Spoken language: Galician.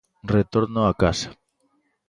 Retorno a casa